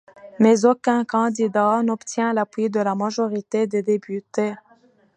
Mais aucun candidat n'obtient l'appui de la majorité des députés.